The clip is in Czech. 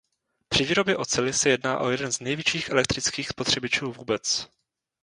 Při výrobě oceli se jedná o jeden z největších elektrických spotřebičů vůbec.